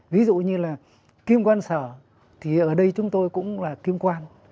ví dụ như là kim quang sở thì ở đây chúng tôi cũng là kim quang